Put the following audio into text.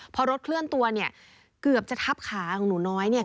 พอรถเคลื่อนตัวเนี่ยเกือบจะทับขาของหนูน้อยเนี่ย